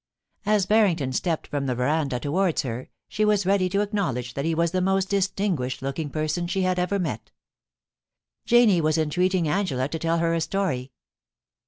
As Barrington stepped from the verandah towards her, she was ready to acknowledge that he was the most distinguished looking person she had ever met Janie was entreating Angela to tell her a story.